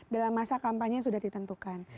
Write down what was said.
dalam masa kampanye sudah ditentukan